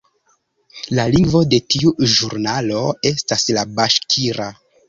La lingvo de tiu ĵurnalo estas la baŝkira.